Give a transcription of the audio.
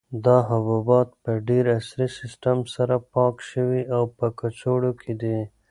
دا حبوبات په ډېر عصري سیسټم سره پاک شوي او په کڅوړو کې دي.